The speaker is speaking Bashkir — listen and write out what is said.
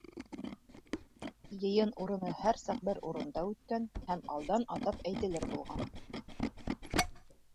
Йыйын урыны һәр саҡ бер урында үткән һәм алдан атап әйтелер булған.